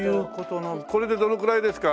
これでどのくらいですか？